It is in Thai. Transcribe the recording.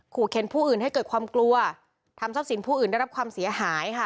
เข็นผู้อื่นให้เกิดความกลัวทำทรัพย์สินผู้อื่นได้รับความเสียหายค่ะ